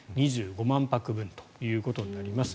２５万泊分ということになります。